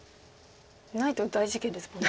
ないと大事件ですもんね。